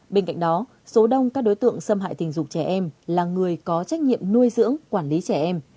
bên cạnh đó số đông các đối tượng xâm hại tình dục trẻ em là người có trách nhiệm nuôi dưỡng quản lý trẻ em